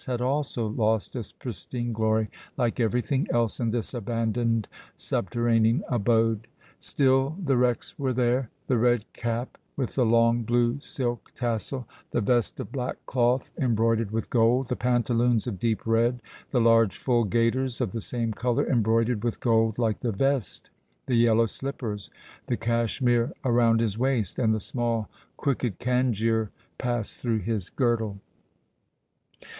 had also lost its pristine glory like everything else in this abandoned subterranean abode. Still the wrecks were there the red cap with the long blue silk tassel; the vest of black cloth embroidered with gold; the pantaloons of deep red; the large, full gaiters of the same color, embroidered with gold like the vest; the yellow slippers; the cachemire around his waist, and the small, crooked cangiar passed through his girdle.